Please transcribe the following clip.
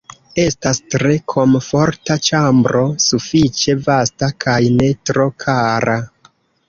Estas tre komforta ĉambro, sufiĉe vasta kaj ne tro kara.